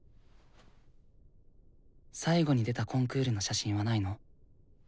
最後に出たコンクールの写真はないの？